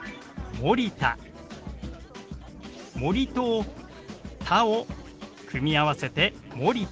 「森」と「田」を組み合わせて「森田」。